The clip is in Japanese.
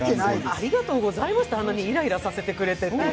ありがとうございます、あんなにイライラさせてくれてって。